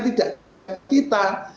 tidak dengan kita